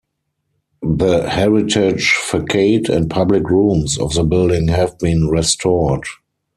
The heritage facade and public rooms of the building have been restored.